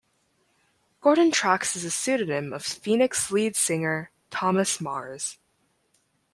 Gordon Tracks is a pseudonym of Phoenix lead singer Thomas Mars.